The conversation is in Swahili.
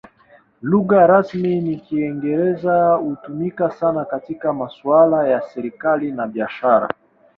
Lugha rasmi ni Kiingereza; hutumika sana katika masuala ya serikali na biashara.